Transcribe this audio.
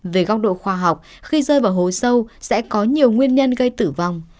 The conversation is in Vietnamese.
về góc độ khoa học khi rơi vào hố sâu sẽ có nhiều nguyên nhân gây tử vong